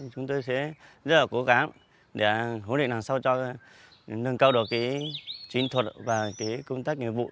chúng tôi sẽ rất là cố gắng để hỗ trợ đằng sau cho nâng cao độ chiến thuật và công tác nghiệp vụ